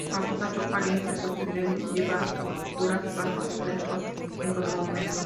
Para ocultar su apariencia sorprendente, lleva oscuras gafas de sol en todo momento.